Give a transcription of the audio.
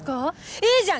いいじゃん！